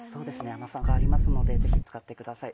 甘さがありますのでぜひ使ってください。